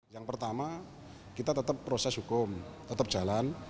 yang pertama kita tetap proses hukum tetap jalan